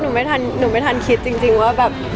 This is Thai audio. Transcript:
หนูก็ขอโทษอะหนูไม่ทันคิดจริงว่าแบบ